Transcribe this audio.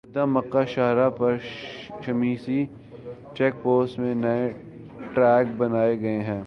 Jeddah Mecca شاہراہ پر Shumaisi check post میں نئے ٹریک بنائے گئے ہیں